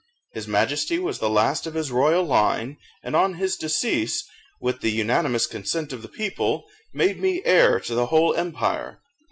His majesty was the last of his royal line, and on his decease, with the unanimous consent of the people, made me heir to the whole empire.